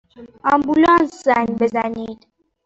آمبولانس زنگ بزنید!